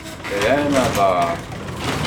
Rran aḍar.